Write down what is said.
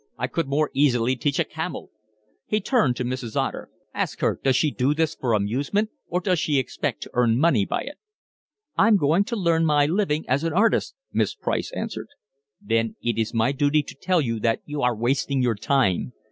I could more easily teach a camel." He turned to Mrs. Otter. "Ask her, does she do this for amusement, or does she expect to earn money by it?" "I'm going to earn my living as an artist," Miss Price answered. "Then it is my duty to tell you that you are wasting your time.